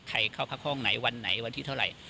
เข้าพักห้องไหนวันไหนวันที่เท่าไหร่